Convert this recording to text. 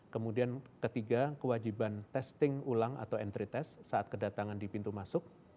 kemudian ketiga kewajiban testing ulang atau entry test saat kedatangan di pintu masuk